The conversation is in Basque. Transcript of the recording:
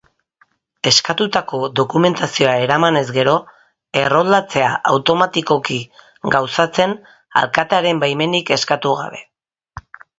Eskatutako dokumentazioa eramanez gero, erroldatzea automatikoki gauzatzen, alkatearen baimenik eskatu gabe.